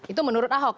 itu menurut ahok